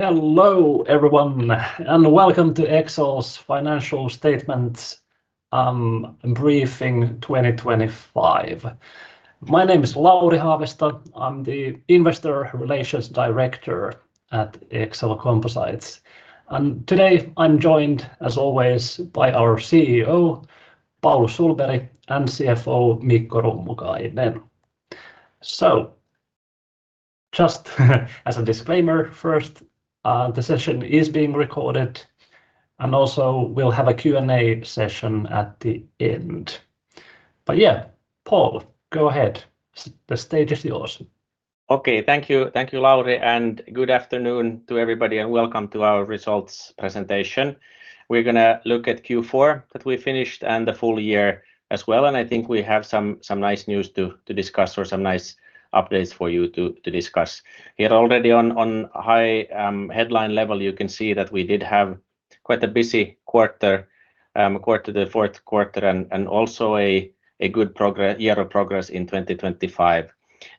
Hello, everyone, and welcome to Exel's Financial Statements Briefing 2025. My name is Lauri Haavisto. I'm the Investor Relations Director at Exel Composites. And today I'm joined, as always, by our CEO, Paul Sohlberg, and CFO, Mikko Rummukainen. So just as a disclaimer, first, the session is being recorded, and also we'll have a Q&A session at the end. But yeah, Paul, go ahead. The stage is yours. Okay. Thank you. Thank you, Lauri, and good afternoon to everybody, and welcome to our results presentation. We're gonna look at Q4, that we finished and the full year as well, and I think we have some nice news to discuss or some nice updates for you to discuss. Here already on high headline level, you can see that we did have quite a busy quarter, the fourth quarter, and also a good progress year of progress in 2025.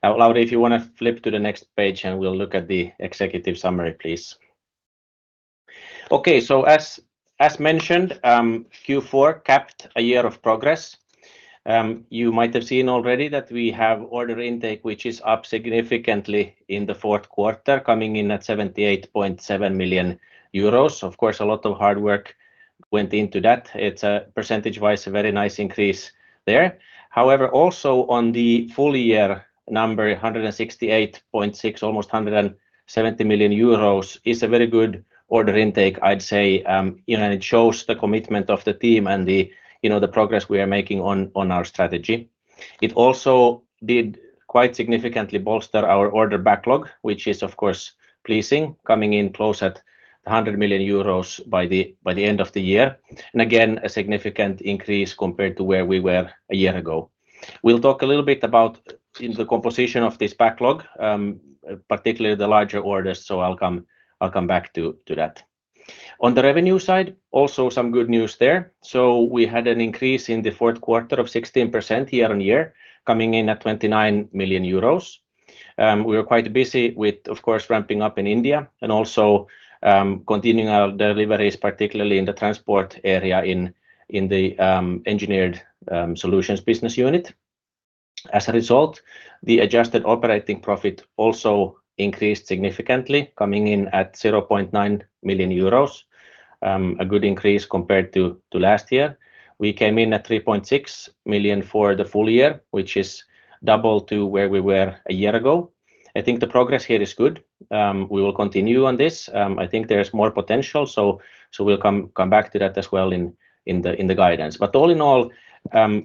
Now, Lauri, if you wanna flip to the next page, and we'll look at the executive summary, please. Okay, so as mentioned, Q4 capped a year of progress. You might have seen already that we have order intake, which is up significantly in the fourth quarter, coming in at 78.7 million euros. Of course, a lot of hard work went into that. It's a percentage-wise, a very nice increase there. However, also on the full year number, 168.6, almost 170 million euros, is a very good order intake, I'd say. You know, and it shows the commitment of the team and the, you know, the progress we are making on our strategy. It also did quite significantly bolster our order backlog, which is, of course, pleasing, coming in close at 100 million euros by the end of the year. And again, a significant increase compared to where we were a year ago. We'll talk a little bit about the composition of this backlog, particularly the larger orders, so I'll come back to that. On the revenue side, also some good news there. So we had an increase in the fourth quarter of 16% year-on-year, coming in at 29 million euros. We were quite busy with, of course, ramping up in India and also continuing our deliveries, particularly in the transport area in the Engineered Solutions Business Unit. As a result, the adjusted operating profit also increased significantly, coming in at 0.9 million euros, a good increase compared to last year. We came in at 3.6 million for the full year, which is double to where we were a year ago. I think the progress here is good. We will continue on this. I think there is more potential, so we'll come back to that as well in the guidance. But all in all,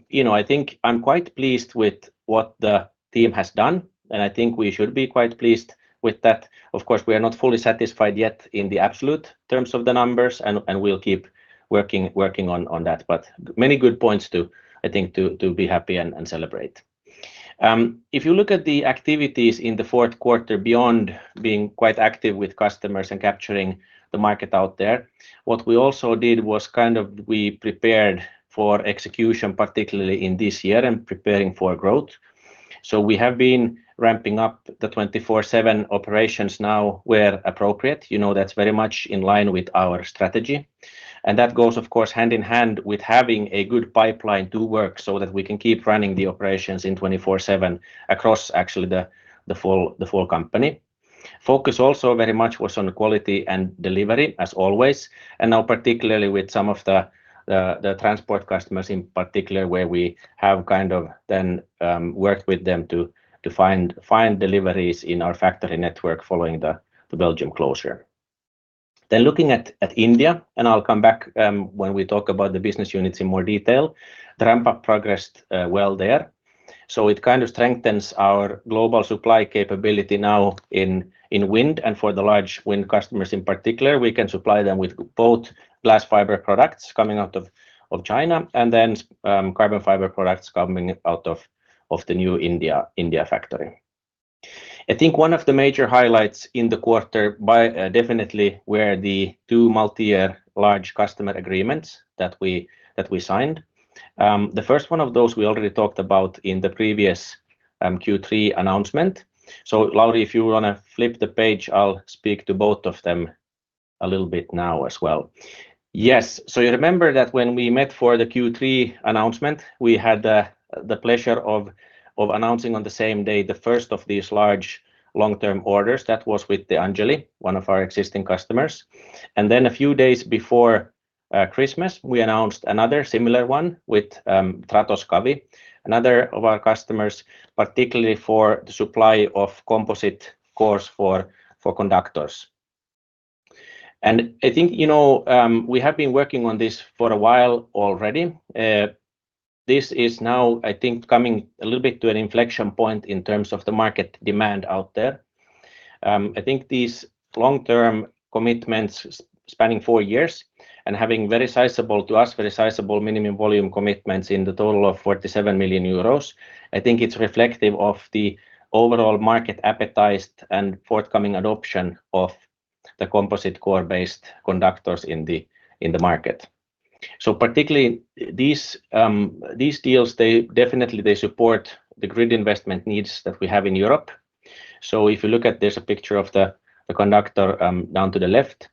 you know, I think I'm quite pleased with what the team has done, and I think we should be quite pleased with that. Of course, we are not fully satisfied yet in the absolute terms of the numbers, and we'll keep working on that. But many good points to, I think, to be happy and celebrate. If you look at the activities in the fourth quarter, beyond being quite active with customers and capturing the market out there, what we also did was kind of we prepared for execution, particularly in this year, and preparing for growth. So we have been ramping up the 24/7 operations now where appropriate. You know, that's very much in line with our strategy. That goes, of course, hand in hand with having a good pipeline to work so that we can keep running the operations 24/7 across actually the full company. Focus also very much was on quality and delivery as always, and now particularly with some of the transport customers in particular, where we have kind of then worked with them to find deliveries in our factory network following the Belgium closure. Then looking at India, and I'll come back when we talk about the business units in more detail. The ramp-up progressed well there, so it kind of strengthens our global supply capability now in wind and for the large wind customers in particular. We can supply them with both glass fiber products coming out of China and then carbon fiber products coming out of the new India factory. I think one of the major highlights in the quarter definitely were the two multi-year large customer agreements that we signed. The first one of those we already talked about in the previous Q3 announcement. So Lauri, if you wanna flip the page, I'll speak to both of them a little bit now as well. Yes. So you remember that when we met for the Q3 announcement, we had the pleasure of announcing on the same day the first of these large long-term orders. That was with De Angeli, one of our existing customers. Then a few days before Christmas, we announced another similar one with Tratos Cavi, another of our customers, particularly for the supply of composite cores for conductors. I think, you know, we have been working on this for a while already. This is now, I think, coming a little bit to an inflection point in terms of the market demand out there. I think these long-term commitments spanning four years and having very sizable to us, very sizable minimum volume commitments in the total of 47 million euros, I think it's reflective of the overall market appetite and forthcoming adoption of the composite core-based conductors in the market. So particularly, these deals, they definitely support the grid investment needs that we have in Europe. So if you look, there's a picture of the conductor down to the left.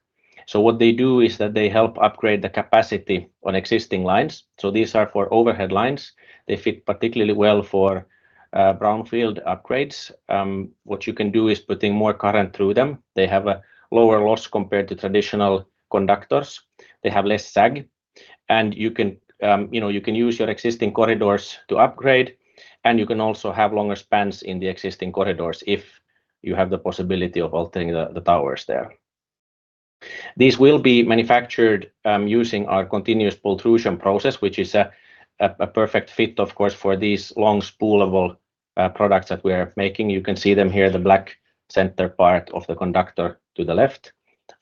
So what they do is that they help upgrade the capacity on existing lines. So these are for overhead lines. They fit particularly well for brownfield upgrades. What you can do is putting more current through them. They have a lower loss compared to traditional conductors. They have less sag, and you can, you know, you can use your existing corridors to upgrade, and you can also have longer spans in the existing corridors if you have the possibility of altering the towers there. These will be manufactured using our continuous pultrusion process, which is a perfect fit, of course, for these long spoolable products that we are making. You can see them here, the black center part of the conductor to the left.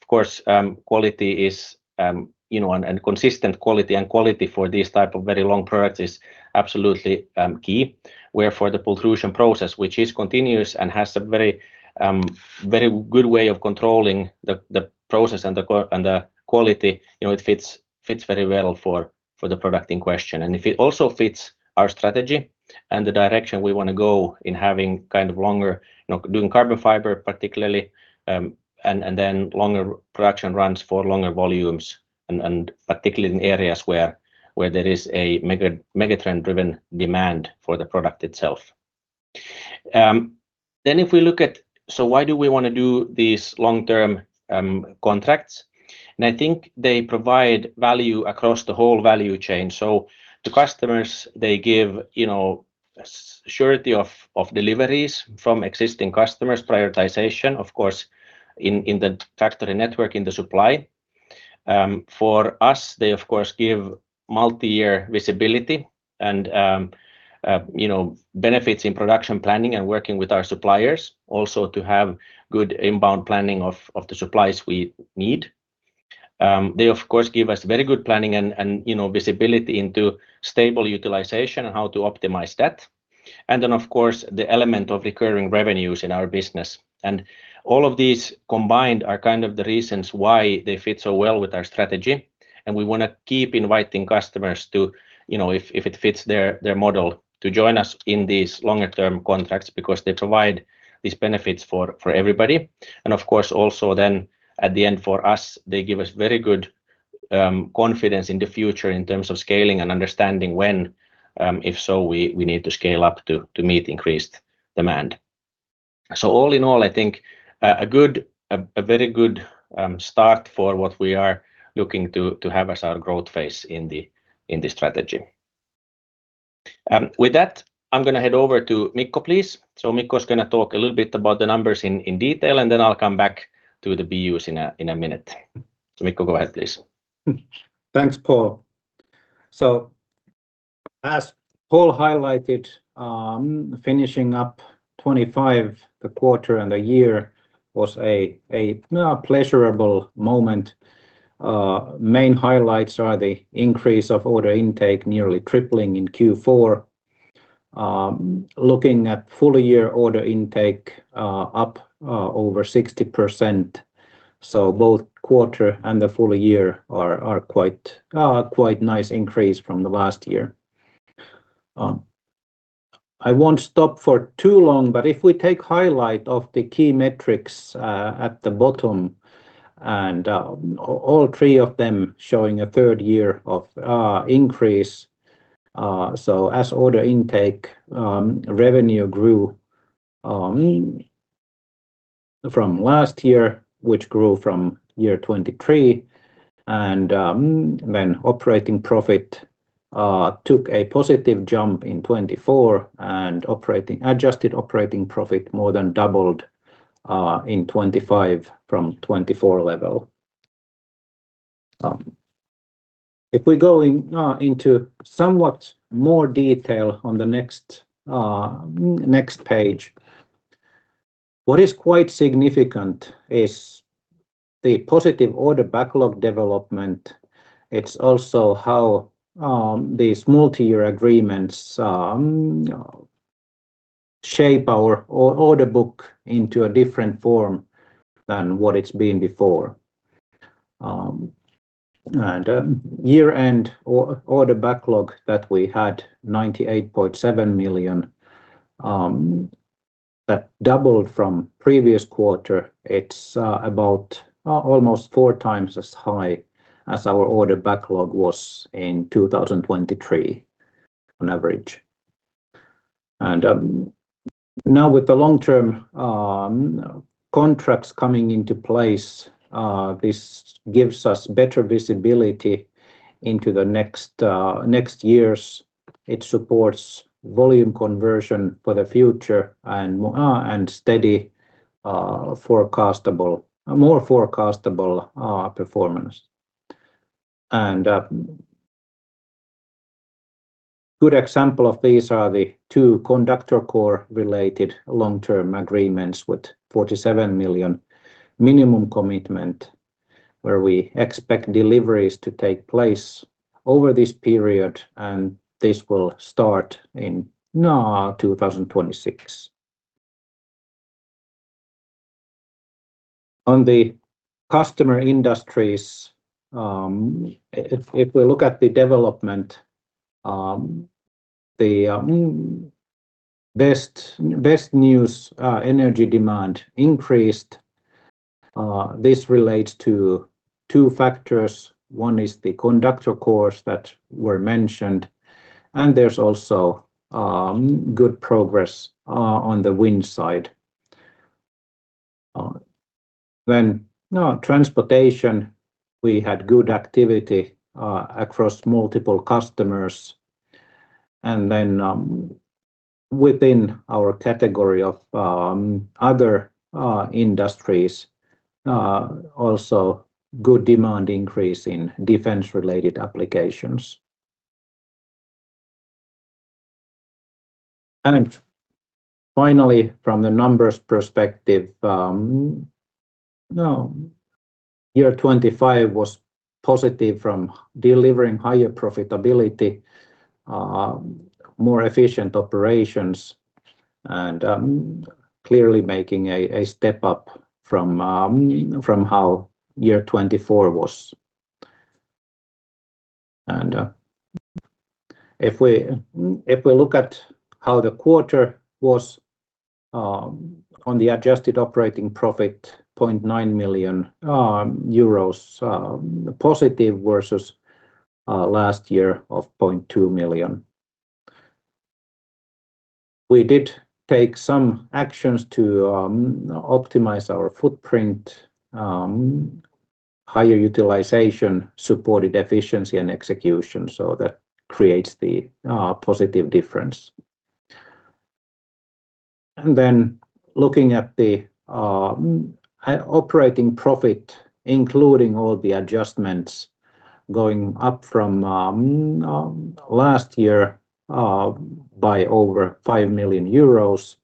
Of course, quality is, you know, and consistent quality, and quality for these type of very long products is absolutely key. Where for the pultrusion process, which is continuous and has a very good way of controlling the process and the quality, you know, it fits very well for the product in question. And it also fits our strategy and the direction we wanna go in having kind of longer, you know, doing carbon fiber particularly, and then longer production runs for longer volumes and particularly in areas where there is a megatrend-driven demand for the product itself. Then if we look at... So why do we wanna do these long-term contracts? And I think they provide value across the whole value chain. So to customers, they give, you know, surety of deliveries from existing customers, prioritization, of course, in the factory network, in the supply. For us, they of course give multi-year visibility and, you know, benefits in production planning and working with our suppliers, also to have good inbound planning of the supplies we need. They of course give us very good planning and, you know, visibility into stable utilization and how to optimize that. And then, of course, the element of recurring revenues in our business. And all of these combined are kind of the reasons why they fit so well with our strategy, and we wanna keep inviting customers to, you know, if it fits their model, to join us in these longer term contracts because they provide these benefits for everybody. Of course, also then at the end for us, they give us very good confidence in the future in terms of scaling and understanding when, if so, we need to scale up to meet increased demand. So all in all, I think a good, a very good start for what we are looking to have as our growth phase in this strategy. With that, I'm gonna head over to Mikko, please. So Mikko is gonna talk a little bit about the numbers in detail, and then I'll come back to the BUs in a minute. So, Mikko, go ahead, please. Thanks, Paul. So as Paul highlighted, finishing up 2025, the quarter and the year was a pleasurable moment. Main highlights are the increase of order intake, nearly tripling in Q4. Looking at full year order intake, up over 60%. So both quarter and the full year are quite nice increase from the last year. I won't stop for too long, but if we take highlight of the key metrics at the bottom, and all three of them showing a third year of increase. So as order intake, revenue grew from last year, which grew from year 2023, and then operating profit took a positive jump in 2024, and adjusted operating profit more than doubled in 2025 from 2024 level. If we go into somewhat more detail on the next page, what is quite significant is the positive order backlog development. It's also how these multi-year agreements shape our order book into a different form than what it's been before. Year-end order backlog that we had, 98.7 million, that doubled from previous quarter. It's about almost four times as high as our order backlog was in 2023 on average. Now with the long-term contracts coming into place, this gives us better visibility into the next years. It supports volume conversion for the future and steady, forecastable, more forecastable performance. Good example of these are the two conductor core-related long-term agreements with 47 million minimum commitment, where we expect deliveries to take place over this period, and this will start in 2026. On the customer industries, if we look at the development, the best news, energy demand increased. This relates to two factors. One is the conductor cores that were mentioned, and there's also good progress on the wind side. Then now transportation, we had good activity across multiple customers. And then, within our category of other industries, also good demand increase in defense-related applications. And finally, from the numbers perspective, now 2025 was positive from delivering higher profitability, more efficient operations, and clearly making a step up from how 2024 was. And if we look at how the quarter was, on the adjusted operating profit, 0.9 million euros positive versus last year of 0.2 million. We did take some actions to optimize our footprint. Higher utilization supported efficiency and execution, so that creates the positive difference. And then looking at the operating profit, including all the adjustments going up from last year by over 5 million euros,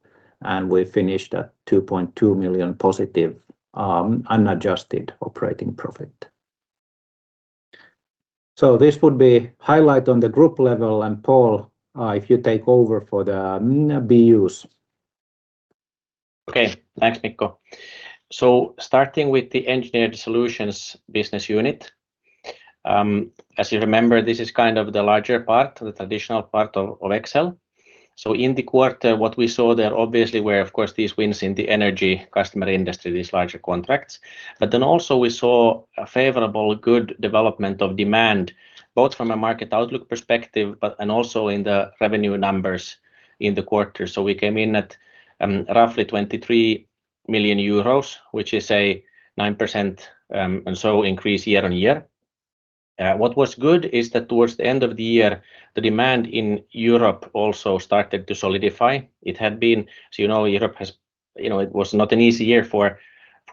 and we finished at 2.2 million positive unadjusted operating profit. So this would be the highlight on the group level. And Paul, if you take over for the BUs. Okay. Thanks, Mikko. So starting with the Engineered Solutions Business Unit. As you remember, this is kind of the larger part, the traditional part of Exel. So in the quarter, what we saw there obviously were, of course, these wins in the energy customer industry, these larger contracts. But then also we saw a favorable, good development of demand, both from a market outlook perspective, but and also in the revenue numbers in the quarter. So we came in at roughly 23 million euros, which is a 9% and so increase year-on-year. What was good is that towards the end of the year, the demand in Europe also started to solidify. It had been... So, you know, Europe has, you know, it was not an easy year for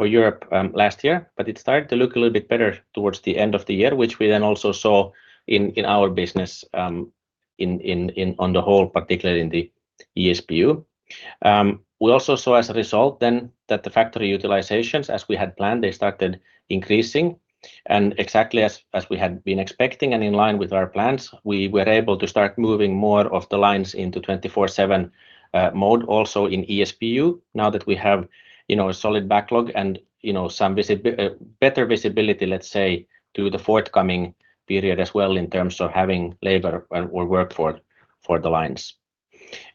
Europe last year, but it started to look a little bit better towards the end of the year, which we then also saw in our business on the whole, particularly in the ESBU. We also saw as a result then, that the factory utilizations, as we had planned, they started increasing. And exactly as we had been expecting and in line with our plans, we were able to start moving more of the lines into 24/7 mode also in ESBU, now that we have, you know, a solid backlog and, you know, some better visibility, let's say, to the forthcoming period as well, in terms of having labor or workforce for the lines.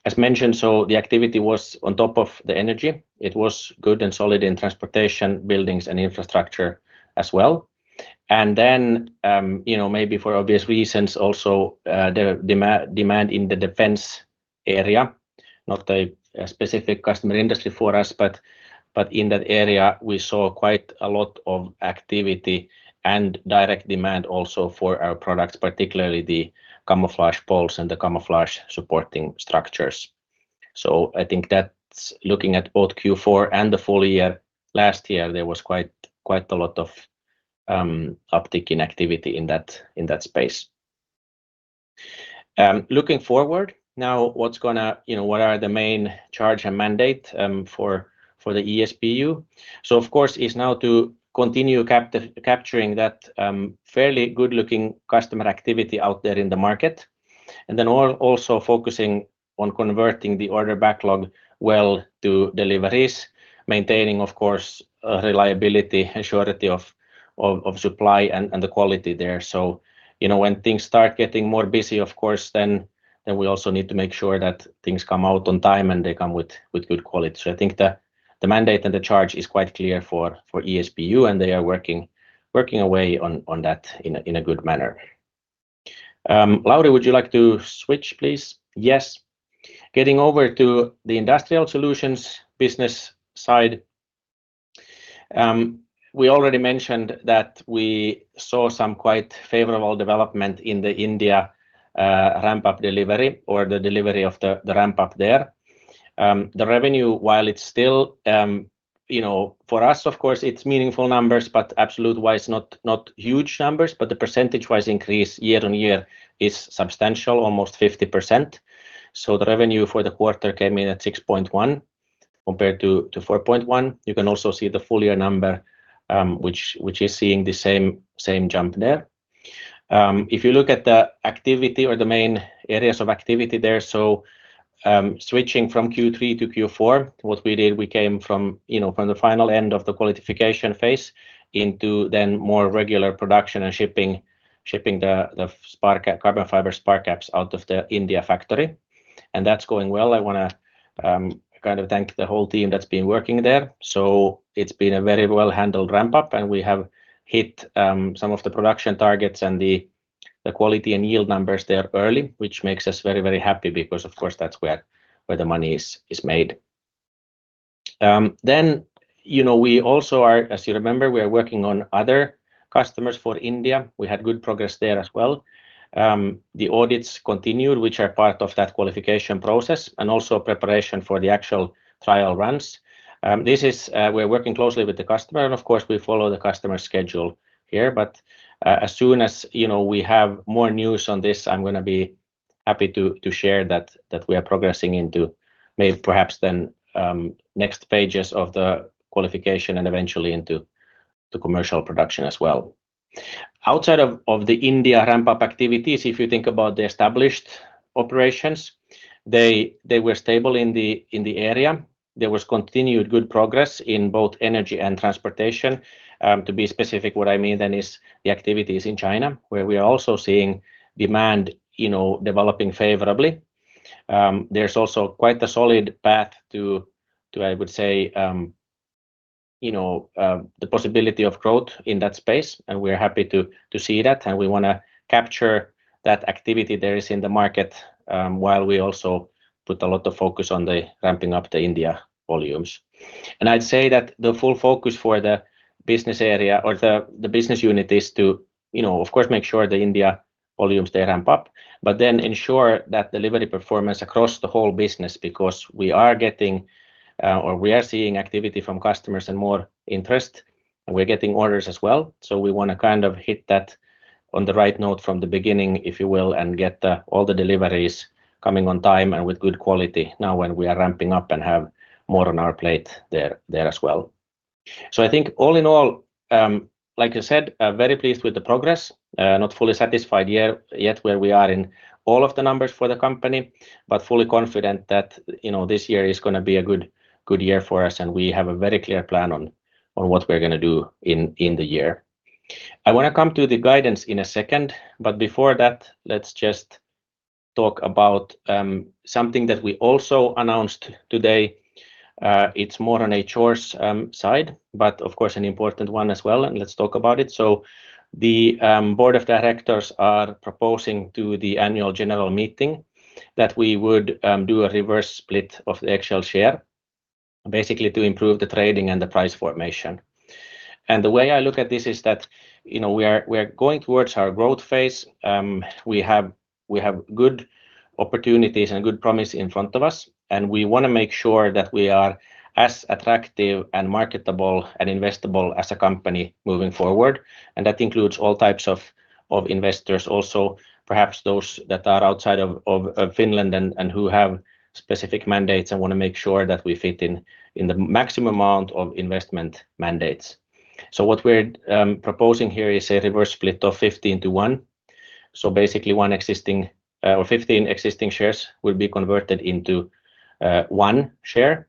As mentioned, so the activity was on top of the energy. It was good and solid in transportation, buildings, and infrastructure as well. And then, you know, maybe for obvious reasons, also, the demand, demand in the defense area, not a specific customer industry for us, but, but in that area, we saw quite a lot of activity and direct demand also for our products, particularly the camouflage poles and the camouflage supporting structures. So I think that's looking at both Q4 and the full year. Last year, there was quite, quite a lot of uptick in activity in that, in that space. Looking forward, now, what's gonna... You know, what are the main charge and mandate, for, for the ESBU? So of course, is now to continue capturing that, fairly good-looking customer activity out there in the market. And then also focusing on converting the order backlog well to deliveries, maintaining, of course, reliability and surety of supply and the quality there. So, you know, when things start getting more busy, of course, then we also need to make sure that things come out on time, and they come with good quality. So I think the mandate and the charge is quite clear for ESBU, and they are working away on that in a good manner. Lauri, would you like to switch, please? Yes. Getting over to the Industrial Solutions business side. We already mentioned that we saw some quite favorable development in the India ramp-up delivery or the delivery of the ramp-up there. The revenue, while it's still, you know, for us, of course, it's meaningful numbers, but absolute-wise, not huge numbers, but the percentage-wise increase year-on-year is substantial, almost 50%. So the revenue for the quarter came in at 6.1 million compared to 4.1 million. You can also see the full year number, which is seeing the same jump there. If you look at the activity or the main areas of activity there, so switching from Q3 to Q4, what we did, we came from, you know, from the final end of the qualification phase into then more regular production and shipping the spar carbon fiber spar caps out of the India factory, and that's going well. I wanna kind of thank the whole team that's been working there. So it's been a very well-handled ramp-up, and we have hit some of the production targets and the, the quality and yield numbers there early, which makes us very, very happy because of course, that's where, where the money is, is made. Then, you know, we also are, as you remember, we are working on other customers for India. We had good progress there as well. The audits continued, which are part of that qualification process, and also preparation for the actual trial runs. This is, we're working closely with the customer, and of course, we follow the customer's schedule here, but, as soon as, you know, we have more news on this, I'm gonna be happy to, to share that, that we are progressing into maybe perhaps then, next pages of the qualification and eventually into the commercial production as well. Outside of the India ramp-up activities, if you think about the established operations, they were stable in the area. There was continued good progress in both energy and transportation. To be specific, what I mean then is the activities in China, where we are also seeing demand, you know, developing favorably. There's also quite a solid path to, I would say, you know, the possibility of growth in that space, and we're happy to see that, and we wanna capture that activity there is in the market, while we also put a lot of focus on ramping up the India volumes. I'd say that the full focus for the business area or the business unit is to, you know, of course, make sure the India volumes they ramp up, but then ensure that delivery performance across the whole business, because we are getting or we are seeing activity from customers and more interest, and we're getting orders as well. So we wanna kind of hit that on the right note from the beginning, if you will, and get all the deliveries coming on time and with good quality now when we are ramping up and have more on our plate there as well. So I think all in all, like I said, very pleased with the progress. Not fully satisfied yet with where we are in all of the numbers for the company, but fully confident that, you know, this year is gonna be a good, good year for us, and we have a very clear plan on what we're gonna do in the year. I wanna come to the guidance in a second, but before that, let's just talk about something that we also announced today. It's more on a cores side, but of course, an important one as well, and let's talk about it. So the Board of Directors are proposing to the Annual General Meeting that we would do a reverse split of the actual share, basically to improve the trading and the price formation. And the way I look at this is that, you know, we are going towards our growth phase. We have good opportunities and good promise in front of us, and we want to make sure that we are as attractive and marketable and investable as a company moving forward, and that includes all types of investors also, perhaps those that are outside of Finland and who have specific mandates and want to make sure that we fit in the maximum amount of investment mandates. So what we're proposing here is a reverse split of 15-to-1. So basically one existing or 15 existing shares will be converted into one share.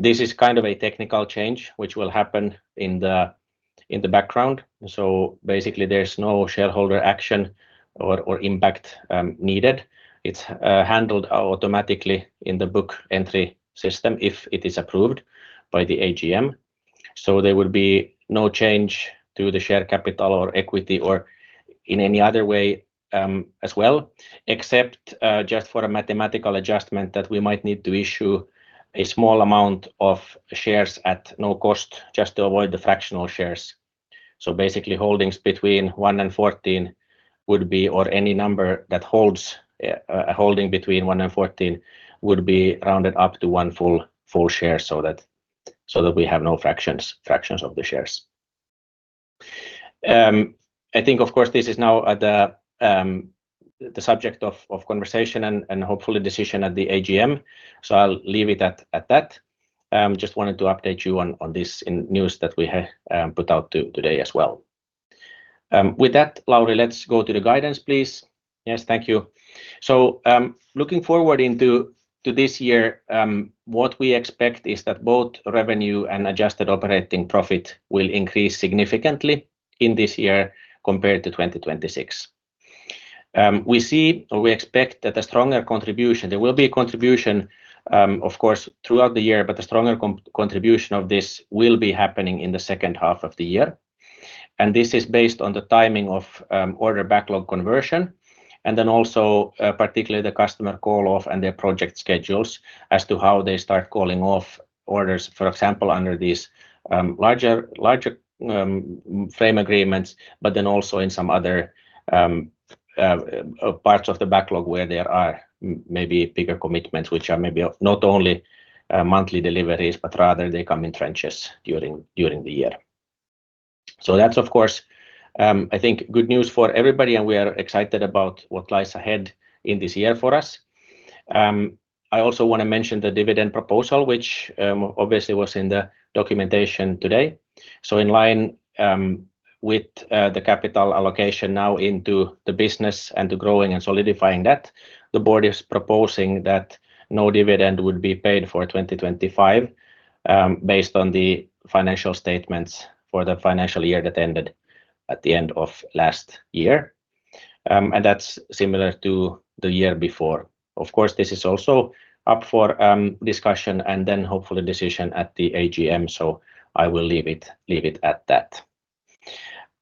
This is kind of a technical change which will happen in the background, so basically there's no shareholder action or impact needed. It's handled automatically in the book entry system if it is approved by the AGM. So there will be no change to the share capital or equity or in any other way, as well, except just for a mathematical adjustment that we might need to issue a small amount of shares at no cost just to avoid the fractional shares. So basically, holdings between 1 and 14 would be, or any number that holds a holding between 1 and 14 would be rounded up to one full share, so that we have no fractions of the shares. I think, of course, this is now at the subject of conversation and hopefully decision at the AGM, so I'll leave it at that. Just wanted to update you on this in news that we put out today as well. With that, Lauri, let's go to the guidance, please. Yes, thank you. So, looking forward into this year, what we expect is that both revenue and Adjusted operating profit will increase significantly in this year compared to 2026. We see or we expect that a stronger contribution, there will be a contribution, of course, throughout the year, but a stronger contribution of this will be happening in the second half of the year, and this is based on the timing of order backlog conversion, and then also particularly the customer call-off and their project schedules as to how they start calling off orders, for example, under these larger frame agreements, but then also in some other parts of the backlog where there are maybe bigger commitments, which are maybe not only monthly deliveries, but rather they come in tranches during the year. So that's of course, I think, good news for everybody, and we are excited about what lies ahead in this year for us. I also want to mention the dividend proposal, which, obviously was in the documentation today. So in line with the capital allocation now into the business and the growing and solidifying that, the board is proposing that no dividend would be paid for 2025, based on the financial statements for the financial year that ended at the end of last year. And that's similar to the year before. Of course, this is also up for discussion and then hopefully decision at the AGM, so I will leave it at that.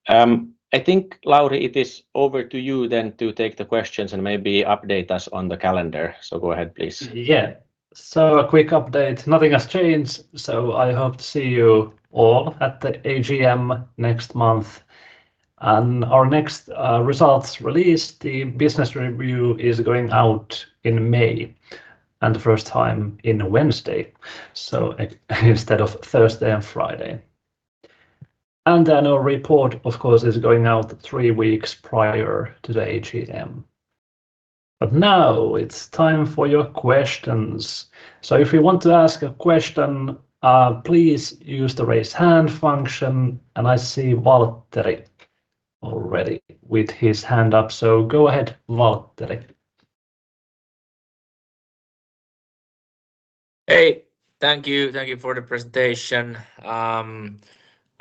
I think, Lauri, it is over to you then to take the questions and maybe update us on the calendar. So go ahead, please. Yeah. So a quick update. Nothing has changed, so I hope to see you all at the AGM next month. And our next results release, the business review, is going out in May, and the first time in a Wednesday, so instead of Thursday and Friday. And then our report, of course, is going out three weeks prior to the AGM. But now it's time for your questions. So if you want to ask a question, please use the Raise Hand function. And I see Valtteri already with his hand up. So go ahead, Valtteri. Hey, thank you. Thank you for the presentation.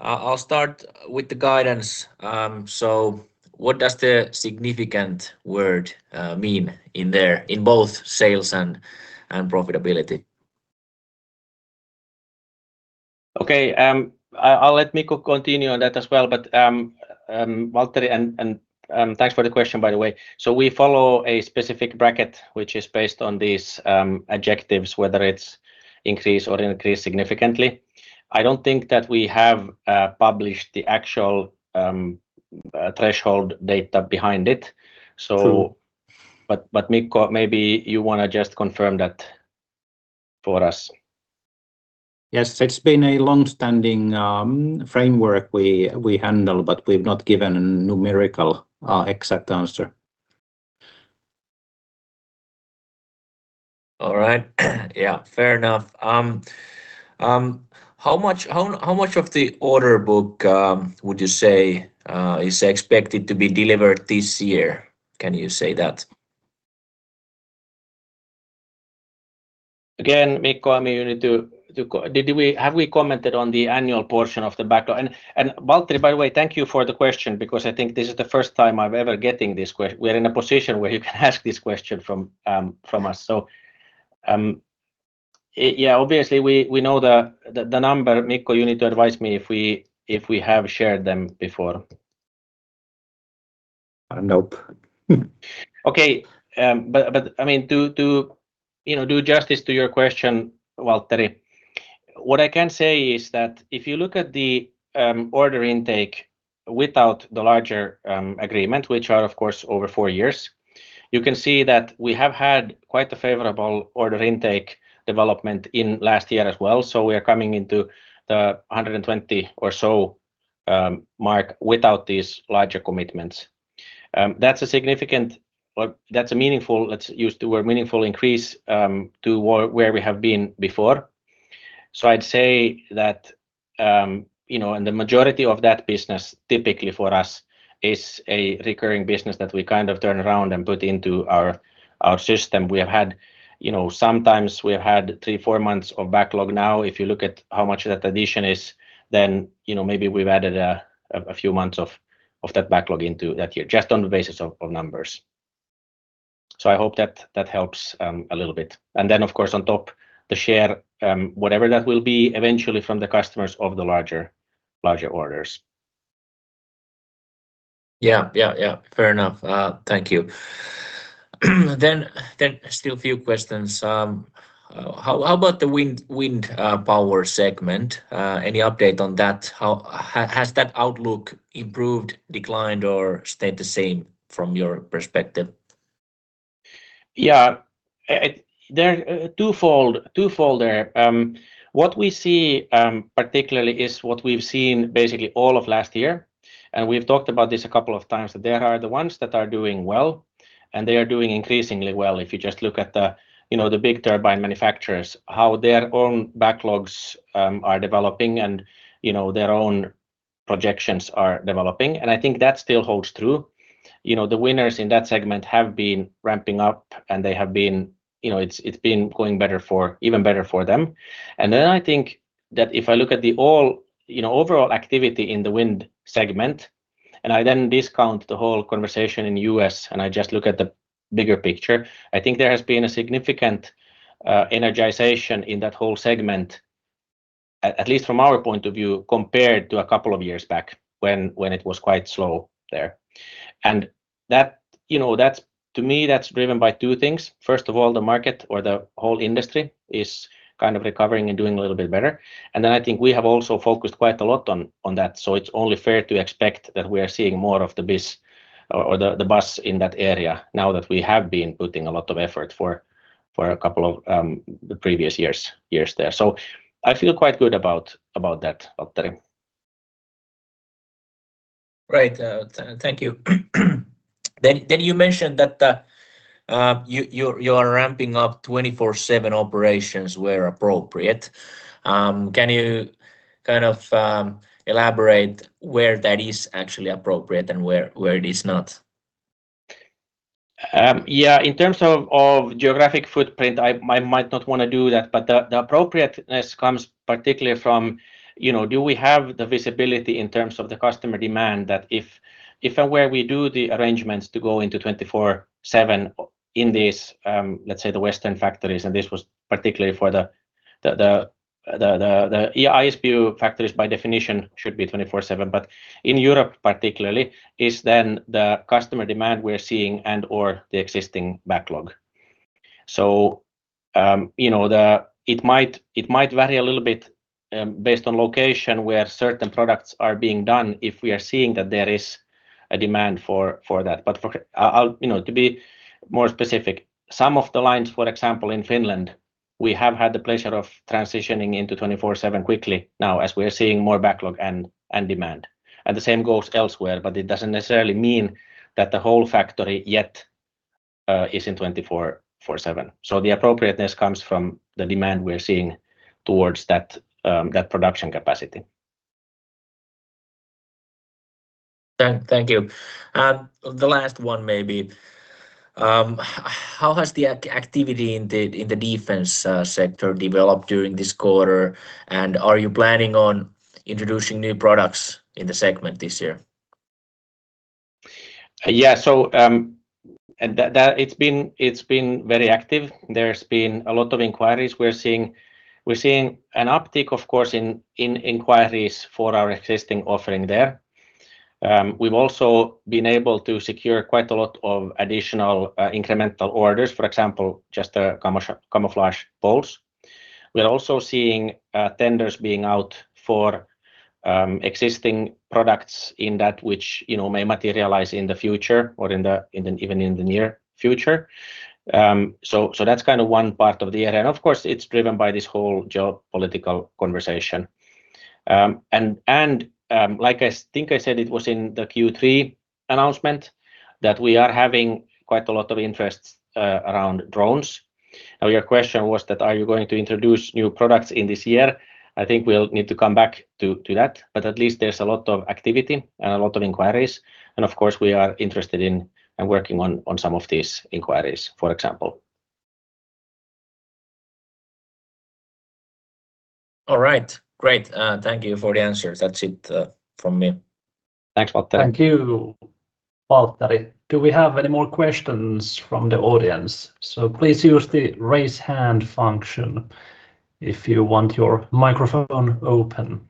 I'll start with the guidance. So what does the significant word mean in there, in both sales and profitability? Okay, I'll let Mikko continue on that as well, but, Valtteri, and, thanks for the question, by the way. So we follow a specific bracket, which is based on these adjectives, whether it's increase or increase significantly. I don't think that we have published the actual threshold data behind it. Sure. But, Mikko, maybe you wanna just confirm that for us. Yes, it's been a long-standing framework we handle, but we've not given a numerical exact answer. All right. Yeah, fair enough. How much of the order book would you say is expected to be delivered this year? Can you say that? Again, Mikko, I mean, you need to comment. Did we... have we commented on the annual portion of the backlog? And, and Valtteri, by the way, thank you for the question, because I think this is the first time I'm ever getting this question. We're in a position where you can ask this question from, from us. So, yeah, obviously, we, we know the, the, the number. Mikko, you need to advise me if we, if we have shared them before. Nope. Okay, but I mean, to you know, do justice to your question, Valtteri, what I can say is that if you look at the order intake without the larger agreement, which are, of course, over 4 years, you can see that we have had quite a favorable order intake development in last year as well. So we are coming into the 120 or so mark without these larger commitments. That's a significant... Well, that's a meaningful, let's use the word meaningful increase to where we have been before. So I'd say that, you know, and the majority of that business, typically for us, is a recurring business that we kind of turn around and put into our system. We have had, you know, sometimes we have had 3-4 months of backlog. Now, if you look at how much that addition is, then, you know, maybe we've added a few months of that backlog into that year, just on the basis of numbers. So I hope that that helps, a little bit. And then of course, on top, the share, whatever that will be, eventually from the customers of the larger, larger orders. Yeah. Yeah, yeah, fair enough. Thank you. Then still a few questions. How about the wind power segment? Any update on that? Has that outlook improved, declined, or stayed the same from your perspective? Yeah. There are twofold, twofold there. What we see, particularly, is what we've seen basically all of last year, and we've talked about this a couple of times, that there are the ones that are doing well, and they are doing increasingly well. If you just look at the, you know, the big turbine manufacturers, how their own backlogs are developing and, you know, their own projections are developing, and I think that still holds true. You know, the winners in that segment have been ramping up, and they have been... You know, it's, it's been going better for- even better for them. And then I think that if I look at the all, you know, overall activity in the wind segment, and I then discount the whole conversation in U.S., and I just look at the bigger picture, I think there has been a significant energization in that whole segment, at least from our point of view, compared to a couple of years back when it was quite slow there. And that, you know, that's to me, that's driven by two things. First of all, the market or the whole industry is kind of recovering and doing a little bit better. And then I think we have also focused quite a lot on that. So it's only fair to expect that we are seeing more of the business in that area now that we have been putting a lot of effort for a couple of the previous years there. So I feel quite good about that, Valtteri.... Great! Thank you. Then you mentioned that you are ramping up 24/7 operations where appropriate. Can you kind of elaborate where that is actually appropriate and where it is not? Yeah, in terms of geographic footprint, I might not want to do that, but the appropriateness comes particularly from, you know, do we have the visibility in terms of the customer demand that if and where we do the arrangements to go into 24/7 in this, let's say the Western factories, and this was particularly for the ISBU factories by definition should be 24/7. But in Europe particularly, is then the customer demand we're seeing and/or the existing backlog. So, you know, it might vary a little bit based on location where certain products are being done if we are seeing that there is a demand for that. But, you know, to be more specific, some of the lines, for example, in Finland, we have had the pleasure of transitioning into 24/7 quickly now as we are seeing more backlog and demand. And the same goes elsewhere, but it doesn't necessarily mean that the whole factory yet is in 24/7. So the appropriateness comes from the demand we're seeing towards that production capacity. Thank you. The last one maybe. How has the activity in the defense sector developed during this quarter? And are you planning on introducing new products in the segment this year? Yeah. So, and that, that it's been, it's been very active. There's been a lot of inquiries. We're seeing- we're seeing an uptick, of course, in, in inquiries for our existing offering there. We've also been able to secure quite a lot of additional, incremental orders, for example, just the camouflage, camouflage poles. We're also seeing, tenders being out for, existing products in that which, you know, may materialize in the future or in the, in the, even in the near future. So, so that's kind of one part of the area. And of course, it's driven by this whole geopolitical conversation. And, and, like I think I said, it was in the Q3 announcement, that we are having quite a lot of interest, around drones. Now, your question was that, are you going to introduce new products in this year? I think we'll need to come back to that, but at least there's a lot of activity and a lot of inquiries. Of course, we are interested in and working on some of these inquiries, for example. All right. Great! Thank you for the answers. That's it, from me. Thanks, Valtteri. Thank you, Valtteri. Do we have any more questions from the audience? So please use the raise hand function if you want your microphone open.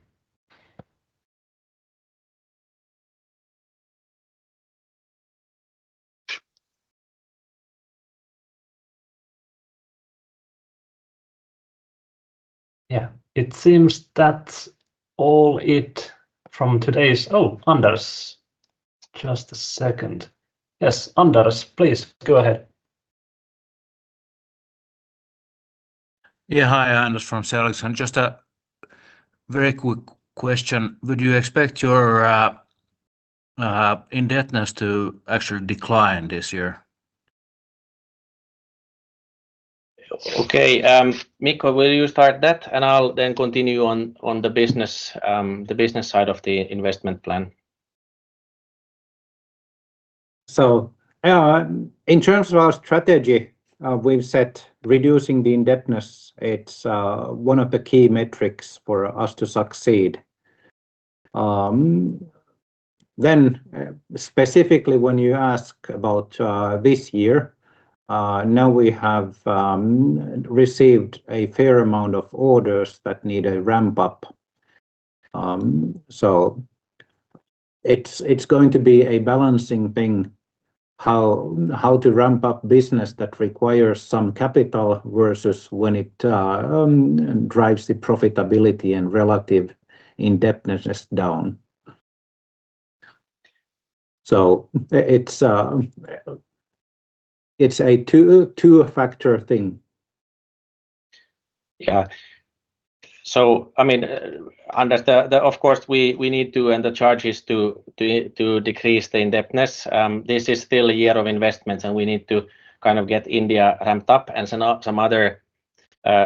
Yeah, it seems that's all it from today's... Oh, Anders! Just a second. Yes, Anders, please go ahead. Yeah. Hi, Anders from Seligson. And just a very quick question: Would you expect your indebtedness to actually decline this year? Okay, Mikko, will you start that? I'll then continue on the business side of the investment plan. So, yeah, in terms of our strategy, we've set reducing the indebtedness. It's one of the key metrics for us to succeed. Then specifically, when you ask about this year, now we have received a fair amount of orders that need a ramp up. So it's going to be a balancing thing, how to ramp up business that requires some capital versus when it drives the profitability and relative indebtedness down. So it's a two, two factor thing. Yeah. So I mean, Anders. Of course, we need to end the charges to decrease the indebtedness. This is still a year of investments, and we need to kind of get India ramped up and some other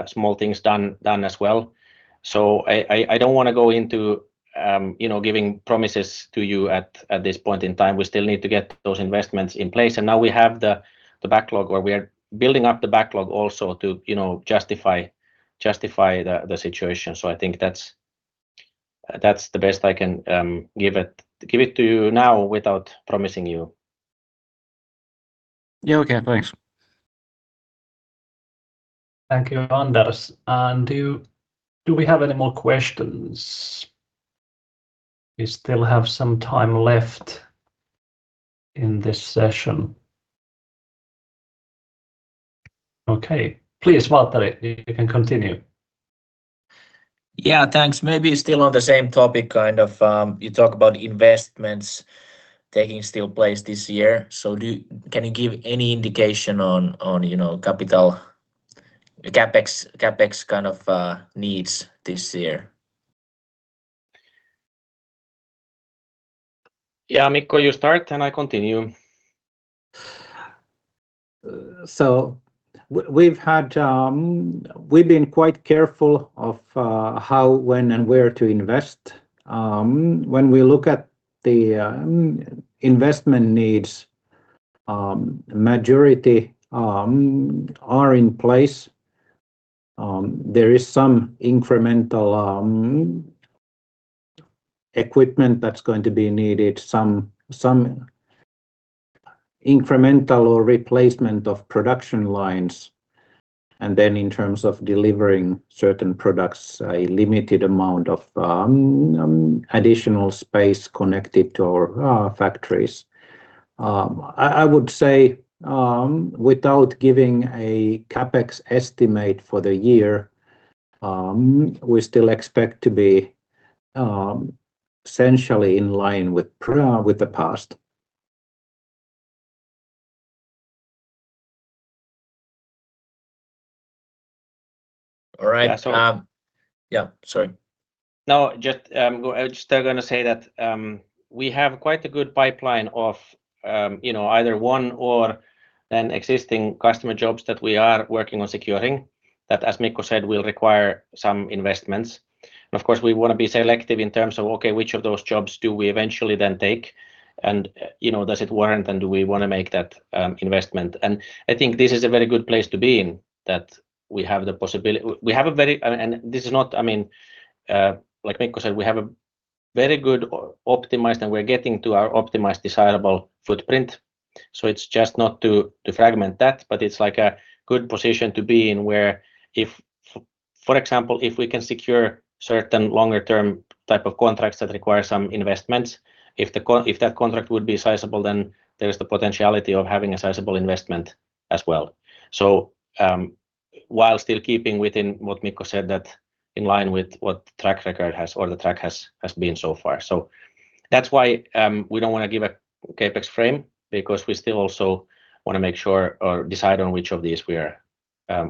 small things done as well. So I don't want to go into, you know, giving promises to you at this point in time. We still need to get those investments in place, and now we have the backlog, or we are building up the backlog also to, you know, justify the situation. So I think that's the best I can give it to you now without promising you. Yeah. Okay, thanks. Thank you, Anders. Do we have any more questions? We still have some time left in this session. Okay, please, Valtteri, you can continue. Yeah, thanks. Maybe still on the same topic, kind of, you talk about investments taking still place this year. So, can you give any indication on, on, you know, capital-... the CapEx, CapEx kind of, needs this year? Yeah, Mikko, you start, and I continue. So we've had. We've been quite careful of how, when, and where to invest. When we look at the investment needs, majority are in place. There is some incremental equipment that's going to be needed, some incremental or replacement of production lines, and then in terms of delivering certain products, a limited amount of additional space connected to our factories. I would say, without giving a CapEx estimate for the year, we still expect to be essentially in line with the past. All right. Yeah, yeah, sorry. No, just go. I'm just gonna say that we have quite a good pipeline of, you know, either one or an existing customer jobs that we are working on securing, that, as Mikko said, will require some investments. And of course, we want to be selective in terms of, okay, which of those jobs do we eventually then take? And, you know, does it warrant, and do we want to make that investment? And I think this is a very good place to be in, that we have the possibility. We have a very. And this is not, I mean, like Mikko said, we have a very good optimized, and we're getting to our optimized, desirable footprint. So it's just not to fragment that, but it's like a good position to be in, where if, for example, if we can secure certain longer-term type of contracts that require some investments, if that contract would be sizable, then there is the potentiality of having a sizable investment as well. So, while still keeping within what Mikko said, that in line with what the track record has been so far. So that's why we don't wanna give a CapEx frame, because we still also wanna make sure or decide on which of these we are,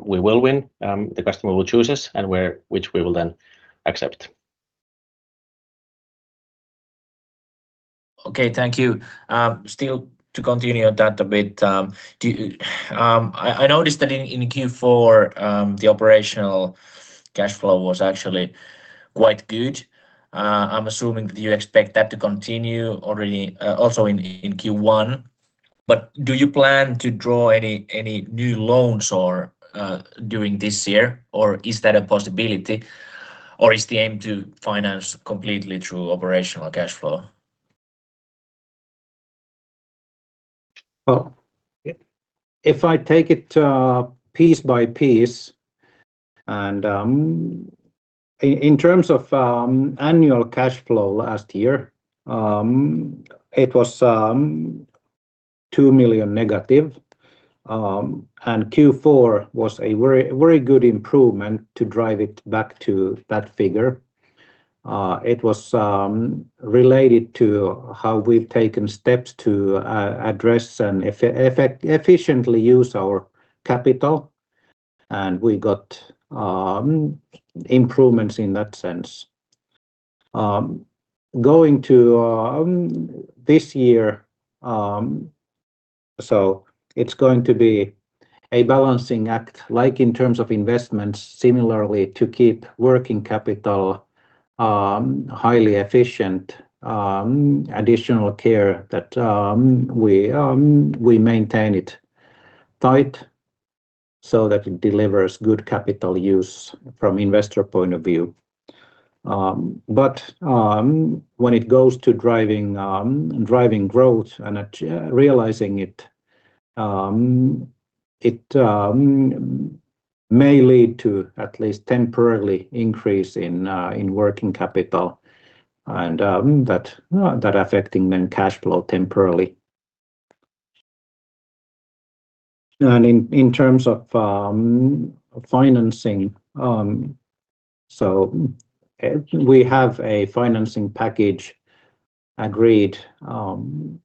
we will win, the customer will choose us, and which we will then accept. Okay, thank you. Still to continue that a bit, do you... I noticed that in Q4, the operational cash flow was actually quite good. I'm assuming that you expect that to continue already, also in Q1. But do you plan to draw any new loans or during this year, or is that a possibility? Or is the aim to finance completely through operational cash flow? Well, if I take it piece by piece, and in terms of annual cash flow last year, it was 2 million negative. And Q4 was a very, very good improvement to drive it back to that figure. It was related to how we've taken steps to address and efficiently use our capital, and we got improvements in that sense. Going to this year, so it's going to be a balancing act, like in terms of investments, similarly, to keep working capital highly efficient, additional care that we maintain it tight so that it delivers good capital use from investor point of view. But when it goes to driving growth and realizing it, it may lead to at least temporarily increase in working capital and that affecting then cash flow temporarily. In terms of financing, so we have a financing package agreed, and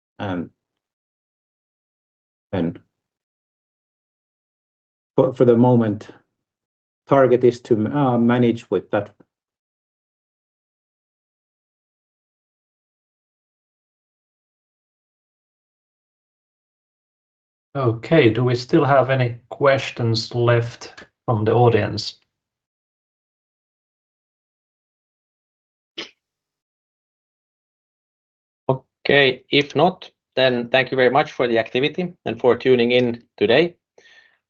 for the moment, target is to manage with that. Okay. Do we still have any questions left from the audience? Okay. If not, then thank you very much for the activity and for tuning in today,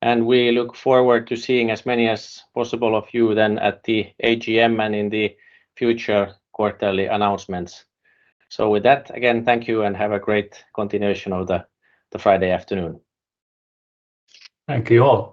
and we look forward to seeing as many as possible of you then at the AGM and in the future quarterly announcements. So with that, again, thank you and have a great continuation of the Friday afternoon. Thank you all.